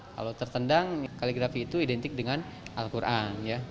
kalau tertendang kaligrafi itu identik dengan al quran